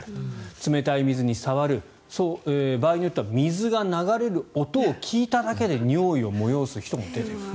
冷たい水に触る場合によっては水が流れる音を聞いただけで尿意をもよおす人も出てくる。